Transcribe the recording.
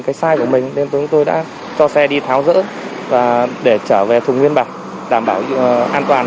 cái sai của mình nên chúng tôi đã cho xe đi tháo rỡ và để trở về thùng nguyên bản đảm bảo an toàn